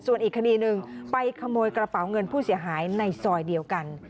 ส่วนอีกคดีหนึ่งไปขโมยกระเป๋าเงินผู้เสียหายในซอยเดียวกัน